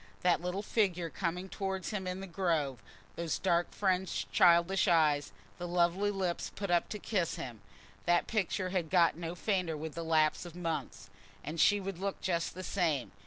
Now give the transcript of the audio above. That little figure coming towards him in the Grove, those dark fringed childish eyes, the lovely lips put up to kiss him—that picture had got no fainter with the lapse of months. And she would look just the same.